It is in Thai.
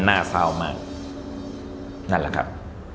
น่าซาวมากนั่นแหละครับ